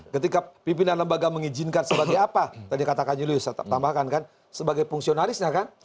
ketika pimpinan lembaga mengizinkan sebagai apa tadi kata kanjulius saya tambahkan kan sebagai fungsionalisnya kan